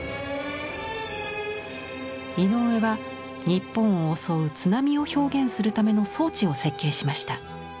井上は日本を襲う津波を表現するための装置を設計しました。